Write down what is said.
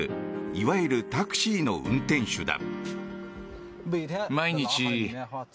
いわゆるタクシーの運転手だ。